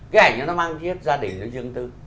cái ảnh đó nó mang giết gia đình với dương tư